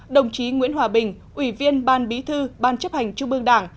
đồng chí nguyễn hòa bình ủy viên ban bí thư ban chấp hành trung ương đảng